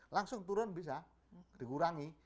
langsung turun bisa dikurangi